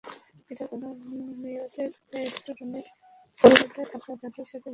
এটার কোনা মেয়রের স্টাডিরুমের ফ্লোরবোর্ডে থাকা দাগের সাথে মিলে যায়।